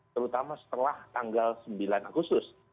terutama setelah tanggal sembilan agustus